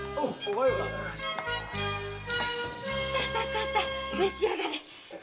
さあ召し上がれ！